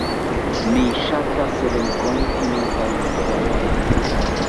Mi ŝatasrenkonti novajn homojn.